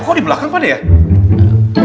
kok di belakang pade ya